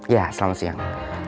ya selamat siang